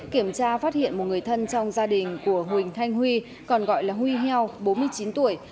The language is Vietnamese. kiểm tra phát hiện một người thân trong gia đình của huỳnh thanh huy còn gọi là huy heo bốn mươi chín tuổi